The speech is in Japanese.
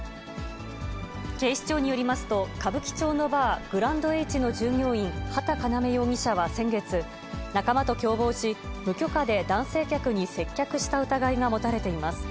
警視庁によりますと、歌舞伎町のバー、ＧＲＡＮＤＨの従業員、畠叶夢容疑者は先月、仲間と共謀し、無許可で男性客に接客した疑いが持たれています。